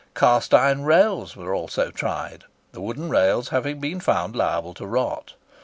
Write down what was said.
Cast iron rails were also tried, the wooden rails having been found liable to rot.